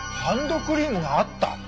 ハンドクリームがあった？